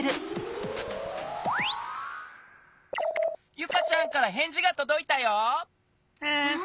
ユカちゃんからへんじがとどいたよ。わ！